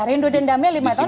rindu dendamnya lima tahun